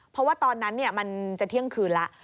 เพราะว่าตอนนั้นมันจะเที่ยงคืนแล้ว